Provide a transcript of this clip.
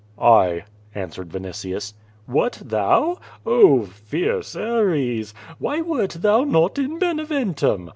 "1," answered Vinitius. "What, thou; oh, fierce Ares. Why wert thou not in Bene ventum?